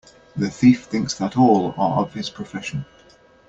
The thief thinks that all are of his profession.